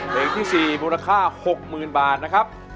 เพลงที่๔มูลค่า๖๐๐๐บาทนะครับ